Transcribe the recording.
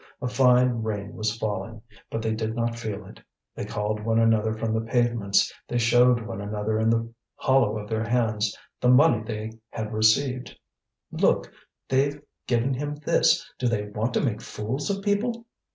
A fine rain was falling, but they did not feel it, they called one another from the pavements, they showed one another in the hollow of their hands the money they had received. "Look! they've given him this. Do they want to make fools of people?"